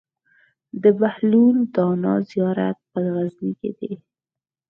د بهلول دانا زيارت په غزنی کی دی